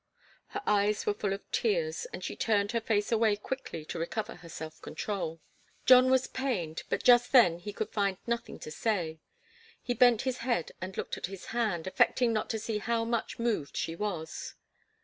Her eyes were full of tears, and she turned her face away quickly to recover her self control. John was pained, but just then he could find nothing to say. He bent his head and looked at his hand, affecting not to see how much moved she was.